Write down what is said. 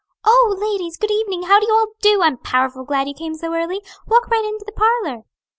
"Oh, ladies, good evening. How do you all do? I'm powerful glad you came so early. Walk right into the parlor."